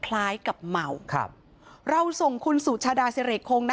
จะรับผิดชอบกับความเสียหายที่เกิดขึ้น